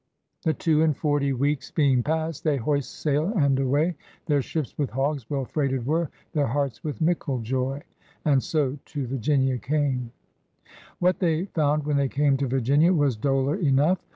. The two and forty weekes being past They hoyst sayle and away; Their shippes with hogges well freighted were. Their harts with mickle joy. And so to Virginia came ... What they found when they came to Virginia was dolor enough.